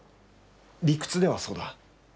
理屈では、そうだ。